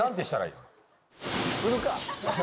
するか！